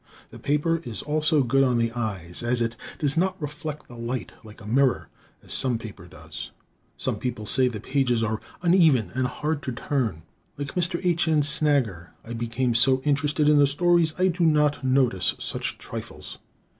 The paper is also good on the eyes, as it does not reflect light like a mirror, as some paper does. Some people say the pages are uneven and hard to turn. Like Mr. H. N. Snager, I become so interested in the stories I do not notice such trifles.